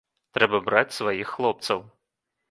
Трэба браць сваіх хлопцаў.